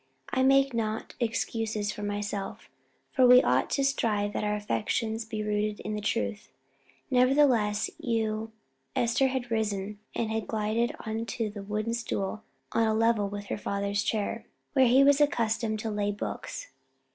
I make not excuses for myself, for we ought to strive that our affections be rooted in the truth. Nevertheless you " Esther had risen, and had glided on to the wooden stool on a level with her father's chair, where he was accustomed to lay books.